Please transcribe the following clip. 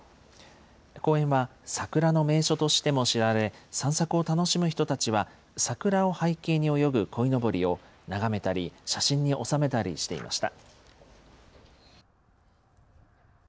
公園は桜の名所としても知られ、散策を楽しむ人たちは桜を背景に泳ぐこいのぼりを眺めたり、写真に収めたりしていました。